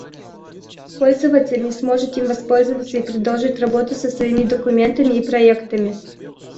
Пользователь не сможет им воспользоваться и продолжить работу со своими документами и проектами